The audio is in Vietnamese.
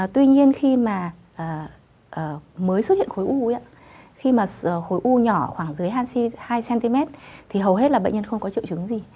tuy nhiên khi mà mới xuất hiện khối u khi mà khối u nhỏ khoảng dưới ha hai cm thì hầu hết là bệnh nhân không có triệu chứng gì